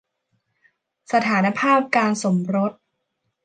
สถานภาพการสมรส